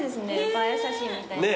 映え写真みたいな。